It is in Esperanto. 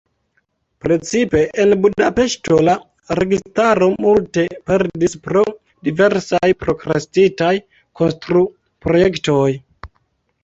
Precipe en Budapeŝto la registaro multe perdis pro diversaj prokrastitaj konstru-projektoj.